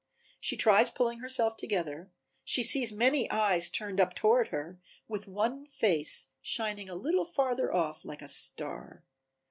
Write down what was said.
She tries pulling herself together, she sees many eyes turned up toward her, with one face shining a little farther off like a star.